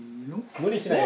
無理しないで。